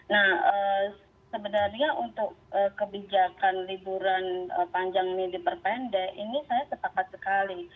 nah sebenarnya untuk kebijakan liburan panjang ini diperpendek ini saya sepakat sekali